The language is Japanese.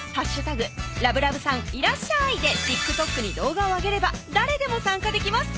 「＃ラブラブさんいらっしゃい！」でＴｉｋＴｏｋに動画をあげれば誰でも参加できます